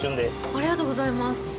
ありがとうございます。